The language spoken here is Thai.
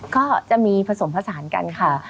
ก็จะมีผสมผสานกันค่ะ